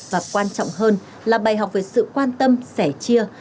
và quan trọng hơn là bài học về sự quan tâm sẻ chia